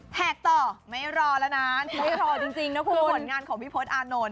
แท็กต่อไม่รอแล้วนะไม่รอจริงนะคุณผลงานของพี่พศอานนท์